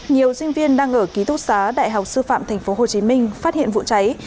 nhiều sinh viên đang ở ký túc xá đại học sư phạm tp hcm phát hiện vụ cháy